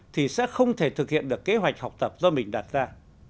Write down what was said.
thì sẽ không thể thực hiện được kế hoạch học tập do mình đặt ra